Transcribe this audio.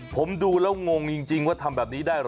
ผมดูแล้วงงจริงว่าทำแบบนี้ได้เหรอ